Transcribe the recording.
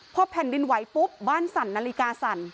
พอแผ่นดินไหวปุ๊บบ้านสั่นนาฬิกาสั่น